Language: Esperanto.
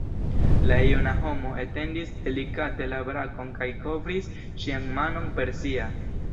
La juna homo etendis delikate la brakon kaj kovris ŝian manon per sia.